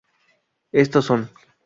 Estos son